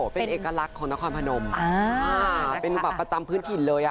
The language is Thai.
เป็นเอกลักษณ์ของนครพนมเป็นแบบประจำพื้นถิ่นเลย